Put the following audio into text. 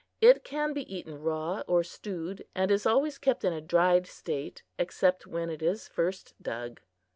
It can be eaten raw or stewed, and is always kept in a dried state, except when it is first dug.